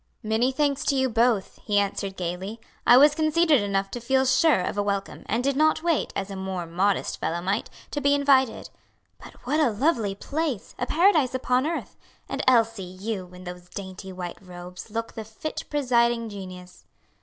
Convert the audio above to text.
"Many thanks to you both," he answered gayly. "I was conceited enough to feel sure of a welcome, and did not wait, as a more modest fellow might, to be invited. But what a lovely place! a paradise upon earth! And, Elsie, you, in those dainty white robes, look the fit presiding genius."